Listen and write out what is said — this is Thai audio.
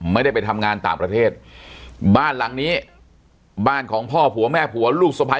ไม่ได้ไปทำงานต่างประเทศบ้านหลังนี้บ้านของพ่อผัวแม่ผัวลูกสะพ้า